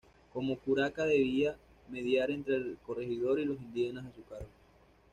Como curaca debía mediar entre el corregidor y los indígenas a su cargo.